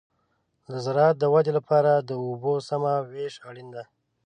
د زراعت د ودې لپاره د اوبو سمه وېش اړین دی.